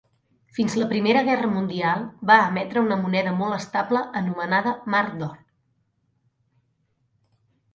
Fins a la Primera Guerra Mundial, va emetre una moneda molt estable anomenada marc d'or.